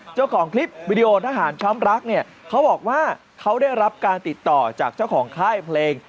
เจ้าของคลิปวิดีโอทหารช้ำรักเนี่ยเขาบอกว่าเขาได้รับการติดต่อจากเจ้าของค่ายเพลง